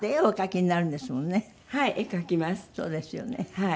はい。